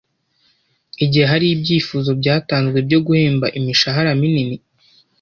Igihe hari ibyifuzo byatanzwe byo guhemba imishahara minin